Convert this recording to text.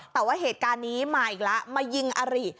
แต่ว่าเหตุการณ์นี้มาอีกแล้วมายิงอาริ